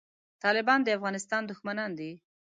طالبان د افغانستان دښمنان دي